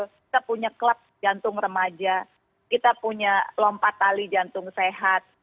kita punya klub jantung remaja kita punya lompat tali jantung sehat